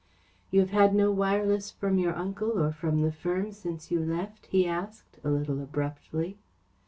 "You have had no wireless from your uncle or from the firm since you left?" he asked, a little abruptly.